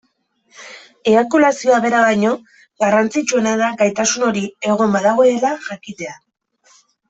Eiakulazioa bera baino, garrantzitsuena da gaitasun hori egon badagoela jakitea.